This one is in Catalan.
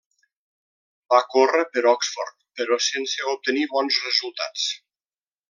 Va córrer per Oxford, però sense obtenir bons resultats.